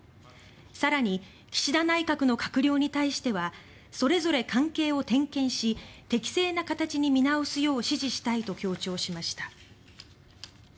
更に、岸田内閣の閣僚に対してはそれぞれ関係を点検し適正な形に見直すよう指示したいと強調しました。